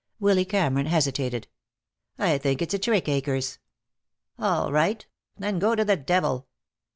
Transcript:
Willy Cameron hesitated. "I think it's a trick, Akers." "All right. Then go to the devil!"